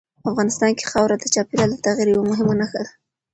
افغانستان کې خاوره د چاپېریال د تغیر یوه مهمه نښه ده.